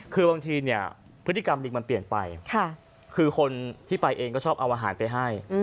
คือบางทีเนี่ยพฤติกรรมลิงมันเปลี่ยนไปคือคนที่ไปเองก็ชอบเอาอาหารไปให้